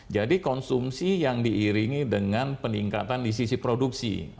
jadi konsumsi yang diiringi dengan peningkatan di sisi produksi